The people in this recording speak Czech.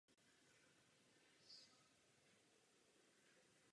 Tato cesta je náročnější a delší než předchozí varianta.